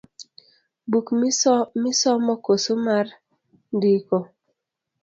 Buk misomo koso mar ndiko?